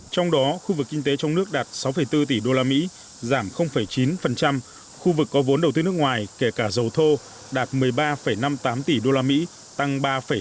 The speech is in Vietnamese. trong đó khu vực kinh tế trong nước đạt sáu bốn tỷ đô la mỹ giảm chín khu vực có vốn đầu tư nước ngoài kể cả dầu thô đạt một mươi ba năm mươi tám tỷ đô la mỹ tăng ba hai